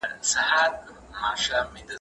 موبایل په توره شپه کې لکه لمر داسې و.